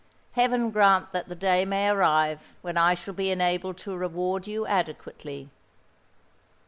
Heaven grant that the day may arrive when I shall be enabled to reward you adequately."